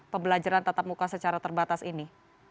pembelajaran tatap muka secara terbatas ini